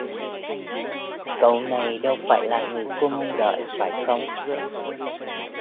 Cậu này đâu phải là người cô mong đợi phải không